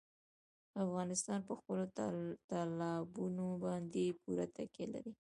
افغانستان په خپلو تالابونو باندې پوره تکیه لري.